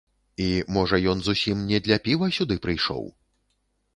І, можа, ён зусім не для піва сюды прыйшоў.